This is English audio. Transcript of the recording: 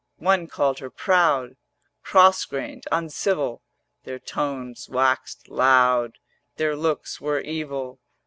One called her proud, Cross grained, uncivil; Their tones waxed loud, Their looks were evil.